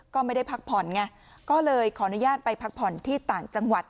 ก็ไม่ได้พักผ่อนไงก็เลยขออนุญาตไปพักผ่อนที่ต่างจังหวัด